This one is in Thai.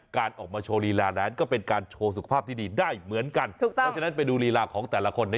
การออกมาโชว์รีลานั้นก็เป็นการโชว์สุขภาพที่ดีได้เหมือนกัน